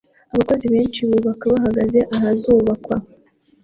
Abakozi benshi bubaka bahagaze ahazubakwa